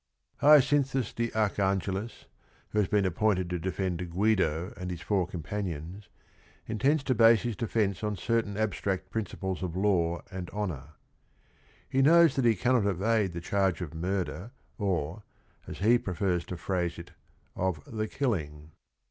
Hyaci nthus de Archangelis, who has been a p poin ted to defend ("liiidn and his fpn r compani ons, inte nds to base his defence on certain abstract princi ples of law and honor. He knows that he cannot evade the charge of murder or, as he prefers to phrase it, of the "killing."